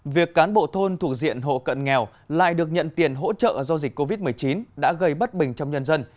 việc cán bộ thôn thủ diện hộ cận nghèo lại được nhận tiền hỗ trợ do dịch covid một mươi chín đã gây bất bình trong nhân dân